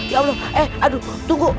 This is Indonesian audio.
ya allah eh aduh tunggu